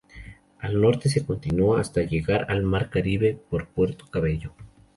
Al norte se continúa hasta llegar al Mar Caribe por Puerto Cabello.